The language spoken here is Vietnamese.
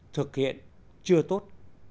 thực hiện chưa tốt